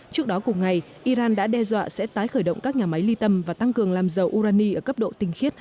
trước đó cùng ngày iran đã đe dọa sẽ tái khởi động các nhà máy ly tâm và tăng cường làm dầu urani ở cấp độ tinh khiết hai mươi